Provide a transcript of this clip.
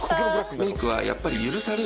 メイクはやっぱり。